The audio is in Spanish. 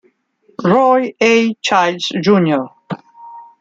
Roy A. Childs Jr.